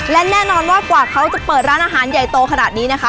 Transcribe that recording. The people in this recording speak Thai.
และแน่นอนว่ากว่าเขาจะเปิดร้านอาหารใหญ่โตขนาดนี้นะคะ